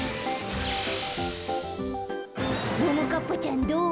ももかっぱちゃんどう？